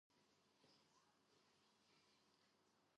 შეგიძლიათ გააჩეროთ ვიდეო და თქვენით სცადოთ ამოხსნა.